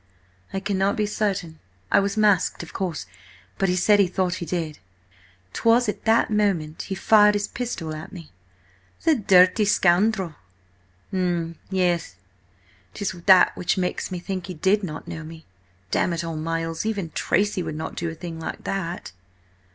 "I cannot be certain. I was masked, of course, but he said he thought he did. 'Twas at that moment he fired his pistol at me." "The dirty scoundrel!" "M'm–yes. 'Tis that which makes me think he did not know me. Damn it all, Miles, even Tracy would not do a thing like that!"